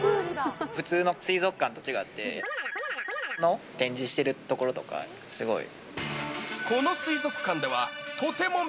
普通の水族館と違って、×××の展示してるところとかすごい。